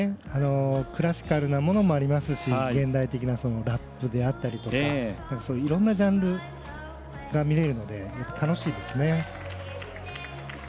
クラシカルなものもありますし現代的なラップやいろんなジャンルが見れるので、楽しいですね。